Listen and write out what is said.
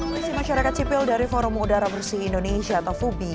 polisi masyarakat sipil dari forum udara bersih indonesia atau fubi